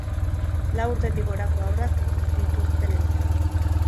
Lau urtetik gorako haurrak dituztenentzat.